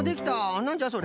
なんじゃそれ？